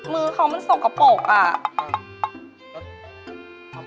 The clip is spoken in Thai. มือเขามันสกปรก